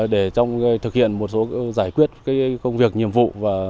để trong thực hiện một số giải quyết công việc nhiệm vụ